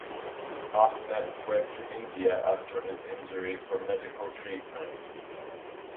Ahmed went to India after his injury for medical treatment.